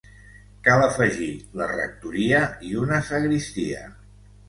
Cal afegir la rectoria i una sagristia.